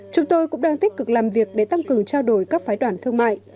chúng tôi cũng đang tích cực làm việc để tăng cường trao đổi các phái đoạn thương mại